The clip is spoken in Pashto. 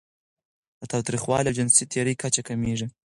د تاوتریخوالي او جنسي تیري کچه کمېږي.